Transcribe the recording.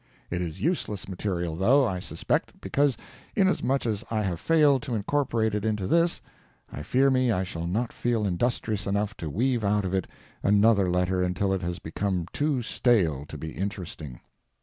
It is useless material, though, I suspect, because, inasmuch as I have failed to incorporate it into this, I fear me I shall not feel industrious enough to weave out of it another letter until it has become too stale to be interesting.